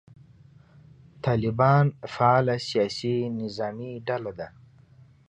طالبان فعاله سیاسي نظامي ډله ده.